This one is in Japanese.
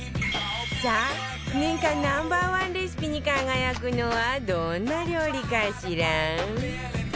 さあ年間 Ｎｏ．１ レシピに輝くのはどんな料理かしら？